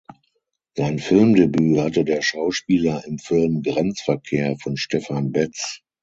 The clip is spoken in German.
Sein Filmdebüt hatte der Schauspieler im Film "Grenzverkehr" von Stefan Betz.